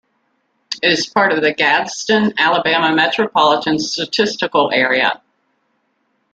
It is part of the Gadsden, Alabama Metropolitan Statistical Area.